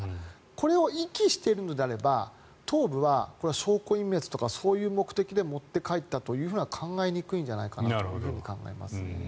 これを遺棄しているのであれば頭部は証拠隠滅とかそういう目的で持って帰ったとは考えにくいのではと考えます。